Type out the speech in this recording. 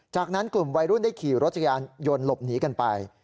จากนั้นกลุ่มวัยรุ่นได้ขี่รถจักรยานยนต์หลบหนีกันไป